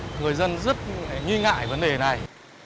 người dân rất nghi ngại vấn đề này